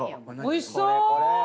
おいしそう！